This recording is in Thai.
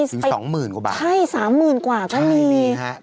ถึงสองหมื่นกว่าบาทใช่สามหมื่นกว่าก็มีฮะ